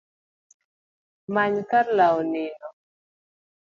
Many kar lawo nindo